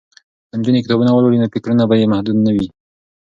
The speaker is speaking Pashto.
که نجونې کتابونه ولولي نو فکرونه به یې محدود نه وي.